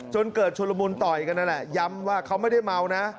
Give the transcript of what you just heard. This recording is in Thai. จนเกิดชุลมุนต่อยกันนั่นแหละย้ำว่าเขาไม่ได้เมานะ